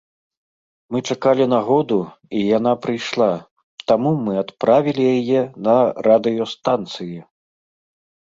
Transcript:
Мы чакалі нагоду, і яна прыйшла, таму мы адправілі яе на радыёстанцыі.